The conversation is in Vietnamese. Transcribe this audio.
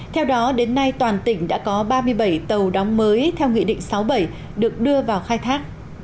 theo đó đến nay toàn tỉnh đã có ba mươi bảy tàu đóng mới theo nghị định sáu mươi bảy được đưa vào khai thác